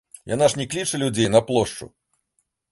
Яна ж не кліча людзей на плошчу.